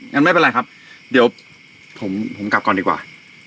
งั้นไม่เป็นไรครับเดี๋ยวผมกลับก่อนดีกว่า